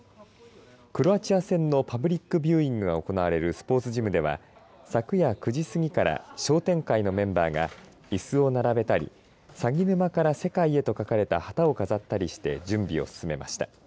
クロアチア戦のパブリック・ビューイングが行われるスポーツジムでは昨夜９時過ぎから商店会のメンバーがいすを並べたり鷺沼から世界へと書かれた旗を飾ったりして準備を進めました。